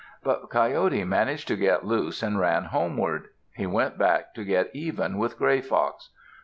But Coyote managed to get loose and ran homeward. He went back to get even with Gray Fox.